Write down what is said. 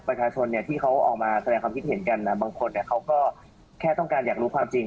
ประชาชนที่เขาออกมาแสดงความคิดเห็นกันบางคนเขาก็แค่ต้องการอยากรู้ความจริง